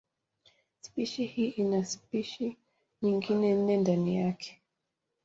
Spishi hii ina spishi nyingine nne ndani yake.